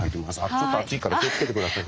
ちょっと暑いから気をつけて下さいね。